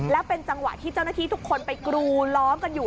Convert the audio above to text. แล้วเป็นจังหวะที่เจ้าหน้าที่ทุกคนไปกรูล้อมกันอยู่